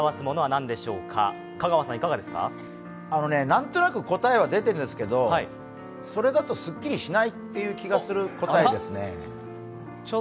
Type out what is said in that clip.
何となく答えは出てるんですけどそれだと、スッキリしないという気がする答えですね。